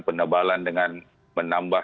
penebalan dengan menambah